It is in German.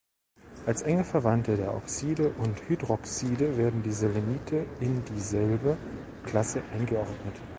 Als enge Verwandte der Oxide und Hydroxide werden die Selenite in dieselbe Klasse eingeordnet.